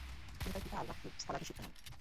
তিনি তার পিতা আল মাহদির স্থলাভিষিক্ত হন।